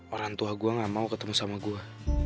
orang tua gua ga mau ketemu sama gua